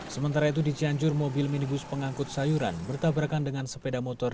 sementara itu di cianjur mobil minibus pengangkut sayuran bertabrakan dengan sepeda motor